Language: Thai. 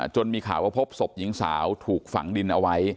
มีข่าวว่าพบศพหญิงสาวถูกฝังดินเอาไว้